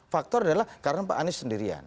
faktor adalah karena pak anies sendirian